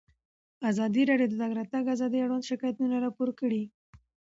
ازادي راډیو د د تګ راتګ ازادي اړوند شکایتونه راپور کړي.